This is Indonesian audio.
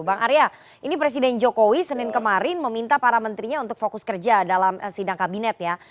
bang arya ini presiden jokowi senin kemarin meminta para menterinya untuk fokus kerja dalam sidang kabinet ya